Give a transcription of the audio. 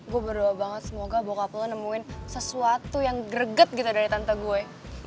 gue berdoa banget semoga bokap lo nemuin sesuatu yang greget gitu dari tante gue